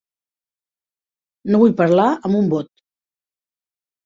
No vull parlar amb un bot.